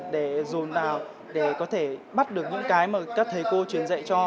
để dồn đào để có thể bắt được những cái mà các thầy cô truyền dạy cho